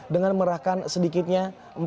dengan merahkan sedikitnya empat puluh dua